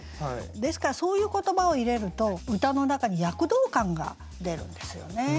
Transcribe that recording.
ですからそういう言葉を入れると歌の中に躍動感が出るんですよね。